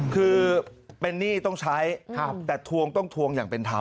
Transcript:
คือเป็นหนี้ต้องใช้แต่ทวงต้องทวงอย่างเป็นธรรม